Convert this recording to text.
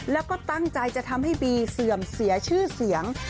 แล้วก็ตั้งใจจะทำให้บีเสื่อมเสียชื่อเสียง